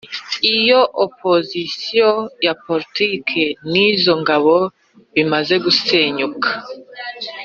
Iyo opozisiyo ya poritiki n izo ngabo bimaze gusenyuka